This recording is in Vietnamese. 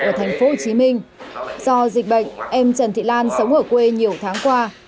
ở thành phố hồ chí minh do dịch bệnh em trần thị lan sống ở quê nhiều tháng qua